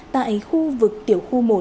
tại khu vực tiểu khu một